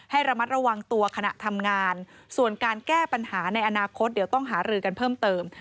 ให้ระมัดระวังตัวขณะทำงานส่วนการแก้ปัญหาในอนาคตเดี๋ยวต้องหารือกันเพิ่มเติม